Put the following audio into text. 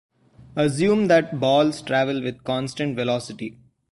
Assume that balls travel with constant velocity.